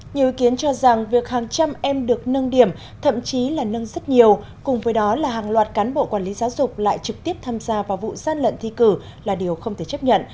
nhiều ý kiến cho rằng việc hàng trăm em được nâng điểm thậm chí là nâng rất nhiều cùng với đó là hàng loạt cán bộ quản lý giáo dục lại trực tiếp tham gia vào vụ gian lận thi cử là điều không thể chấp nhận